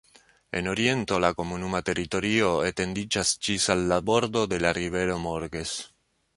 En oriento la komunuma teritorio etendiĝas ĝis al la bordo de la rivero Morges.